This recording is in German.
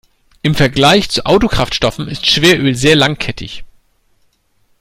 Im Vergleich zu Autokraftstoffen ist Schweröl sehr langkettig.